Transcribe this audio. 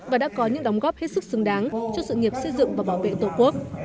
và đã có những đóng góp hết sức xứng đáng cho sự nghiệp xây dựng và bảo vệ tổ quốc